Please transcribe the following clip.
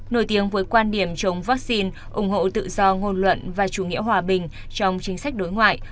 nổi tiếng với quan điểm chống vaccine ủng hộ tự do ngôn luận và chủ nghĩa hòa bình trong chính sách đối ngoại